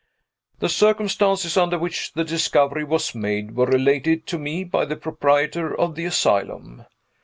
The circumstances under which the discovery was made were related to me by the proprietor of the asylum.